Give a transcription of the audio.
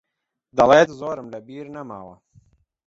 دەڵێت زۆرم لەبیر نەماوە.